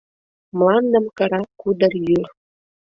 Мландым кыра кудыр йӱр.